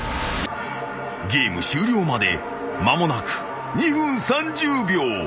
［ゲーム終了まで間もなく２分３０秒］